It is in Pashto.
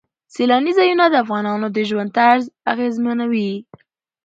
سیلاني ځایونه د افغانانو د ژوند طرز اغېزمنوي.